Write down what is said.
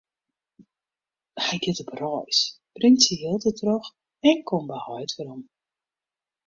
Hy giet op reis, bringt syn jild dertroch en komt by heit werom.